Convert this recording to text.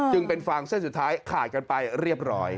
จึงเป็นฟางเส้นสุดท้ายขาดกันไปเรียบร้อย